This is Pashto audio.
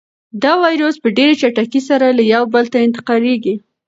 دا وېروس په ډېرې چټکۍ سره له یو بل ته انتقالېږي.